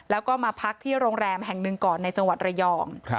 แล้วก็มาพักที่โรงแรมแห่งหนึ่งก่อนในจังหวัดระยอง